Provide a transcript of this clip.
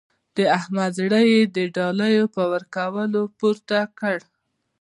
د احمد زړه يې د ډالۍ په ورکولو پورته کړ.